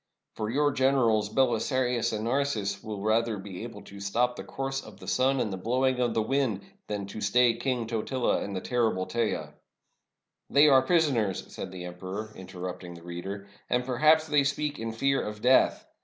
For your gen erals Belisarius and Narses will rather be able to stop the course of the sun and the blowing of the wind, than to stay King Totila and the terrible Teja." " They are prisoners," said the emperor, interrupting the reader; "and perhaps they speak in fear of death.